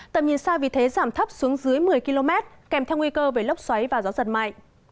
tầm nhìn xa vì thế giảm thấp xuống dưới một mươi km kèm theo nguy cơ về lốc xoáy và gió giật mạnh